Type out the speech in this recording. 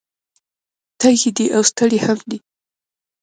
تږی دی او ستړی هم دی